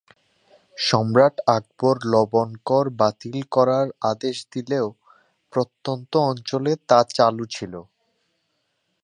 সম্রাট আকবর লবণ কর বাতিল করার আদেশ দিলেও প্রত্যন্ত অঞ্চলে তা চালু ছিল।